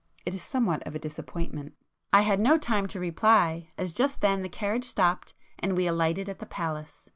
It is somewhat of a disappointment." I had no time to reply, as just then the carriage stopped, and we alighted at the palace.